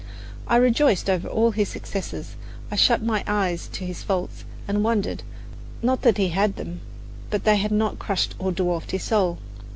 I rejoiced over all his successes, I shut my eyes to his faults, and wondered, not that he had them, but that they had not crushed or dwarfed his soul.